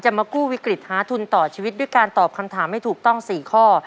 มากู้วิกฤตหาทุนต่อชีวิตด้วยการตอบคำถามให้ถูกต้อง๔ข้อ